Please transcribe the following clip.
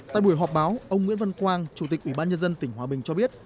tại buổi họp báo ông nguyễn văn quang chủ tịch ủy ban nhân dân tỉnh hòa bình cho biết